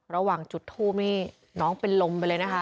ระหว่างจุดทูปนี่น้องเป็นลมไปเลยนะคะ